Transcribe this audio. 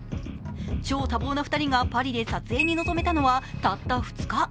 超多忙な２人がパリで撮影に臨めたのはたった２日。